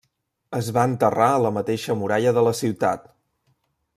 Es va enterrar a la mateixa muralla de la ciutat.